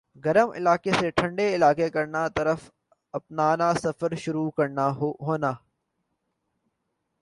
گرم علاقہ سے ٹھنڈے علاقہ کرنا طرف اپنانا سفر شروع کرنا ہونا